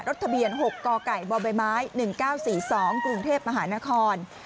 ทะเบียน๖กไก่บใบไม้๑๙๔๒กรุงเทพมหานคร